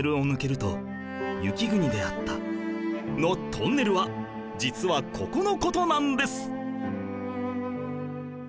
のトンネルは実はここの事なんです